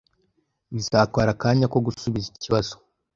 Bizatwara akanya ko gusubiza ikibazo